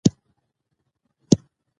افغانستان د کوچیانو له مخي پېژندل کېږي.